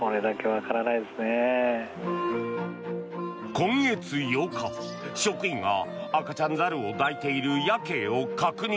今月８日、職員が赤ちゃん猿を抱いているヤケイを確認。